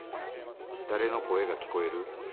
誰の声が聞こえる？